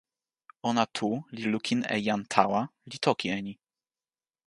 ona tu li lukin e jan tawa li toki e ni.